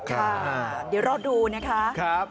ค่ะเดี๋ยวเราดูนะครับ